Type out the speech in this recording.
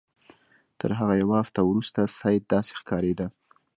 تر هغه یوه هفته وروسته سید داسې ښکارېده.